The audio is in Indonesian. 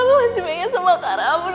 aku masih bingin sama kak ramad